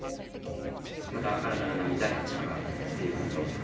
また新たな波、第８波が来ているなと。